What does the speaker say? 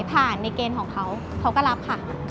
ผ่านในเกณฑ์ของเขาเขาก็รับค่ะ